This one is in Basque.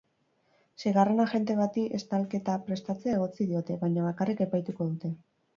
Seigarren agente bati estalketa prestatzea egotzi diote, baina bakarrik epaituko dute.